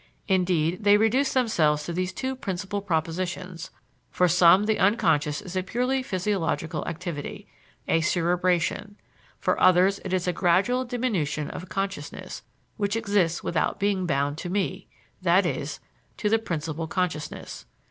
Indeed, they reduce themselves to these two principal propositions: for some the unconscious is a purely physiological activity, a "cerebration"; for others it is a gradual diminution of consciousness which exists without being bound to me i.e., to the principal consciousness.